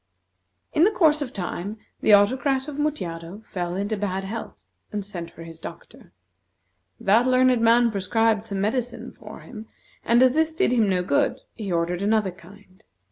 In the course of time, the Autocrat of Mutjado fell into bad health and sent for his doctor. That learned man prescribed some medicine for him; and as this did him no good, he ordered another kind.